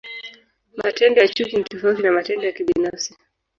Matendo ya chuki ni tofauti na matendo ya kibinafsi.